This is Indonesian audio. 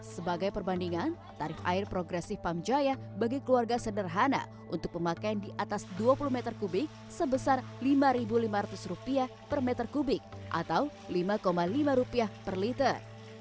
sebagai perbandingan tarif air progresif pam jaya bagi keluarga sederhana untuk pemakaian di atas dua puluh m tiga sebesar rp lima lima ratus per m tiga atau rp lima lima per liter